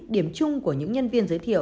điểm chung của những nhân viên giới thiệu